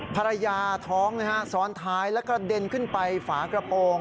ภรรยาท้องนะฮะซ้อนท้ายแล้วกระเด็นขึ้นไปฝากระโปรง